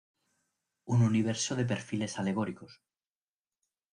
Un universo de perfiles alegóricos.